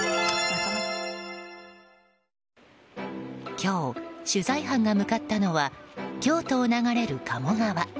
今日、取材班が向かったのは京都を流れる鴨川。